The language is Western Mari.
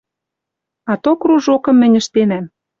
Ато кружокым мӹнь ӹштенӓм.